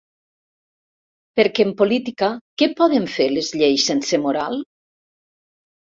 Perquè en política, què poden fer les lleis sense moral?